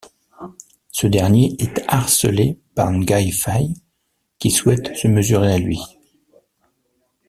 Ce dernier est harcelé par Ngai Fai qui souhaite se mesurer à lui.